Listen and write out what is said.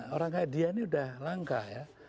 orang kayak dia ini sudah langka ya